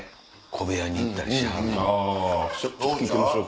小部屋に行ったりしはる。